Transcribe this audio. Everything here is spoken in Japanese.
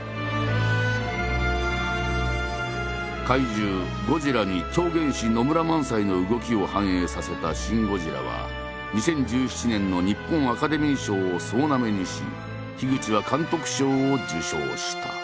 怪獣ゴジラに狂言師野村萬斎の動きを反映させた「シン・ゴジラ」は２０１７年の日本アカデミー賞を総なめにし口は監督賞を受賞した。